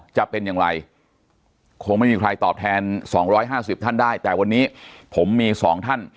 จะเป็นอย่างไรคงไม่มีใครตอบแทน๒๕๐ท่านได้แต่วันนี้ผมมี๒ท่าน